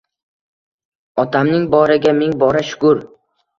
Otamning boriga ming bora shkur